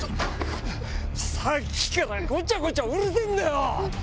さっきからごちゃごちゃうるせぇんだよ！